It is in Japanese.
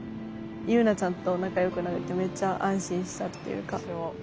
結菜ちゃんと仲よくなれてめっちゃ安心したっていうか。